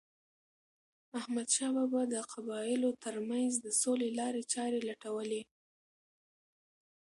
احمد شاه بابا د قبایلو ترمنځ د سولې لارې چاري لټولي.